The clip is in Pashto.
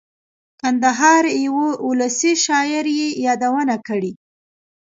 کندهار یوه اولسي شاعر یې یادونه کړې.